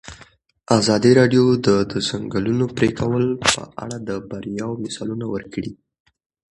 ازادي راډیو د د ځنګلونو پرېکول په اړه د بریاوو مثالونه ورکړي.